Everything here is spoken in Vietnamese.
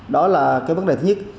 đó là vấn đề thứ nhất